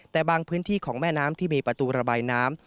แต่บางพื้นที่ของแม่น้ำที่มีประตูระบายน้ำ